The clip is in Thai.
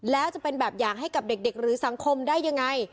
แล้วจะเป็นแบบอย่างให้กับเด็กหรือสังคมได้ยังไง